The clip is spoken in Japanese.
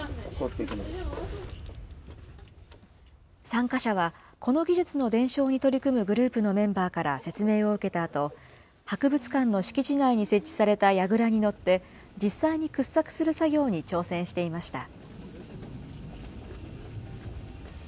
参加者は、この技術の伝承に取り組むグループのメンバーから説明を受けたあと、博物館の敷地内に設置されたやぐらに乗って、実際に掘削する作業に挑戦していました。